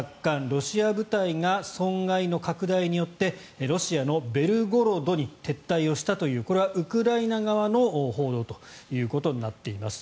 ロシア部隊が損害の拡大によってロシアのベルゴロドに撤退したというこれはウクライナ側の報道ということになっています。